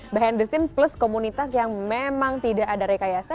mbak henderson plus komunitas yang memang tidak ada rekayasa